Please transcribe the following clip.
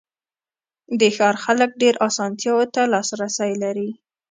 د ښار خلک ډېرو آسانتیاوو ته لاسرسی لري.